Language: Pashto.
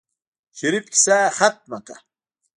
شريف کيسه ختمه کړه.